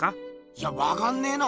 いやわかんねえな。